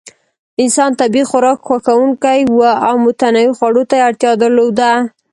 انسان طبیعي خوراک خوښونکی و او متنوع خوړو ته یې اړتیا درلوده.